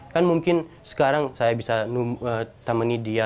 kan mungkin sekarang saya bisa temani dia